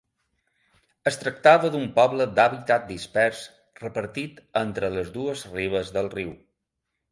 Es tractava d'un poble d'hàbitat dispers repartit entre les dues ribes del riu.